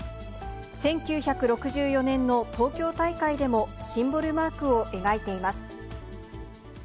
１９６４年の東京大会でも、シンボルマークを描いています。